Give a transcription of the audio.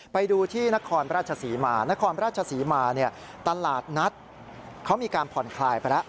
ไปดูที่นครราชศรีมานครราชศรีมาเนี่ยตลาดนัดเขามีการผ่อนคลายไปแล้ว